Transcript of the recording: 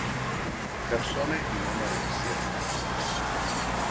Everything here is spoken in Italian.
Persone di nome Alessia